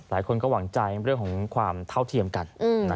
หลายคนก็หวังใจเรื่องของความเท่าเทียมกัน